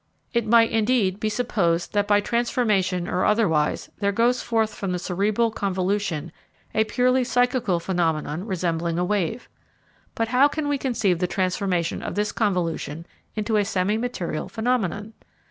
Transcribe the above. It might, indeed, be supposed that by transformation or otherwise there goes forth from the cerebral convolution a purely psychical phenomenon resembling a wave. But how can we conceive the transformation of this convolution into a semi material phenomenon?